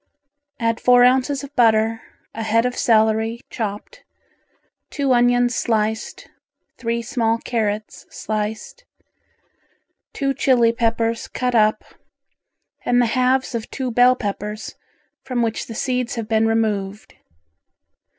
Add four ounces of butter, a head of celery chopped, two onions sliced, three small carrots sliced, two Chili peppers cut up, and the halves of two bell peppers from which the seeds have been removed.